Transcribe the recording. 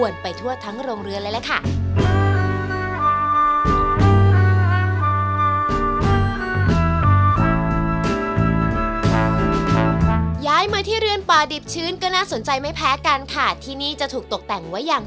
ย้ายมาที่เรือนป่าดิบชื้นก็น่าสนใจไม่แพ้กันค่ะที่นี่จะถูกตกแต่งไว้อย่าง